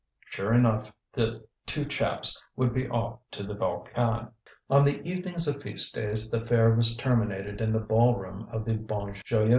Sure enough the two chaps would be off to the Volcan! On the evenings of feast days the fair was terminated in the ball room of the Bon Joyeux.